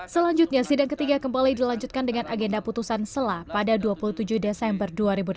selanjutnya sidang ketiga kembali dilanjutkan dengan agenda putusan selah pada dua puluh tujuh desember dua ribu delapan belas